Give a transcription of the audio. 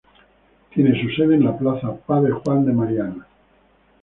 Tiene su sede en la plaza Padre Juan de Mariana.